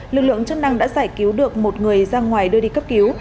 lực lượng chức năng đã giải cứu được một người ra ngoài đưa đi cấp cứu